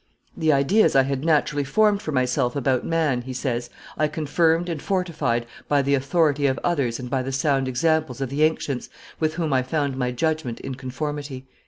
"The ideas I had naturally formed for myself about man," he says, "I confirmed and fortified by the authority of others and by the sound examples of the ancients, with whom I found my judgment in conformity."